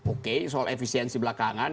oke soal efisiensi belakangan